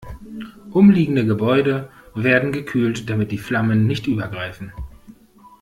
Umliegende Gebäude werden gekühlt, damit die Flammen nicht übergreifen.